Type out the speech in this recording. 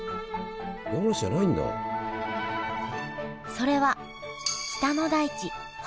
それは北の大地